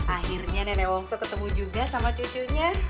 akhirnya nenek wongso ketemu juga sama cucunya